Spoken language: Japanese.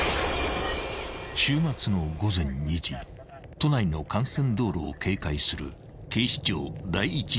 ［都内の幹線道路を警戒する］